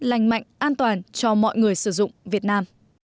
lành mạnh an toàn cho mọi người sử dụng việt nam